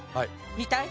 見たい？